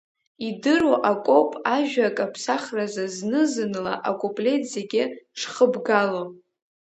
Идыру акоуп ажәак аԥсахразы зны-зынла акуплет зегьы шхыбгало.